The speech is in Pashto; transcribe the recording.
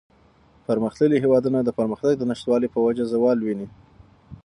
پرمختللي هېوادونه د پرمختگ د نشتوالي په وجه زوال ویني.